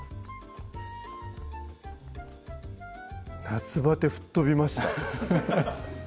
夏バテ吹っ飛びました